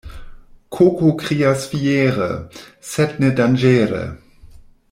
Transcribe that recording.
Koko krias fiere, sed ne danĝere.